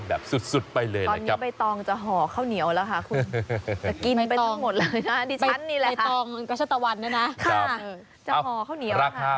มีกลิ่นหอมกว่า